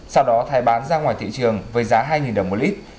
sau đó thái bán ra ngoài thị trường với giá hai đồng một lít